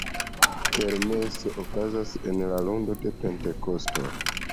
Kermeso okazas en la lundo de Pentekosto.